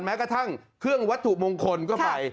แม้กระทั่งเครื่องวัตถุมงคลก็ไป